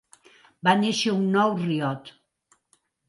Va néixer un nou Riot.